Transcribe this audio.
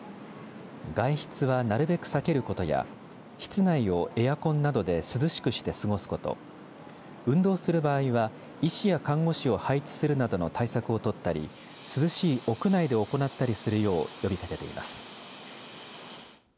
外出は、なるべく避けることや室内をエアコンなどで涼しくして過ごすこと運動する場合は医師や看護師を配置するなどの対策を取ったり涼しい屋内で行ったりするよう呼びかけています。